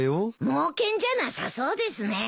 猛犬じゃなさそうですね。